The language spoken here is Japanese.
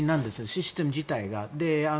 システム自体が。